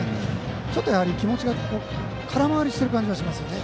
ちょっと、気持ちが空回りしている感じがしますね。